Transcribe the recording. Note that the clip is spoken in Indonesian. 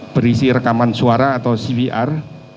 berisi rekaman suara atau cvr